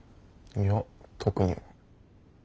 いや特には。